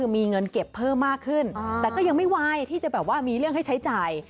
มีเงินเก็บเพิ่มมากขึ้นแต่ก็ยังไม่ไหวที่จะแบบว่ามีเรื่องให้ใช้จ่าย